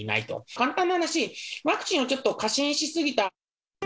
簡単な話、ワクチンをちょっと過信し過ぎた。